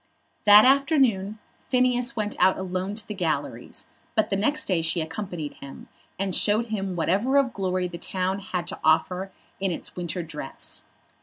That afternoon Phineas went out alone to the galleries, but the next day she accompanied him, and showed him whatever of glory the town had to offer in its winter dress.